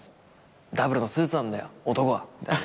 「ダブルのスーツなんだよ男は」みたいな。